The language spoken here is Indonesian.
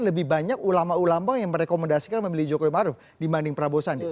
lebih banyak ulama ulama yang merekomendasikan memilih jokowi maruf dibanding prabowo sandi